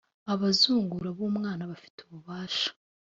abazungura b umwana bafite ububasha